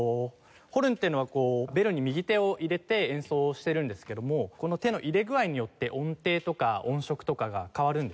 ホルンっていうのはベルに右手を入れて演奏してるんですけどもこの手の入れ具合によって音程とか音色とかが変わるんですね。